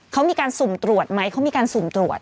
เขามีการสุ่มตรวจไหมเขามีการสุ่มตรวจ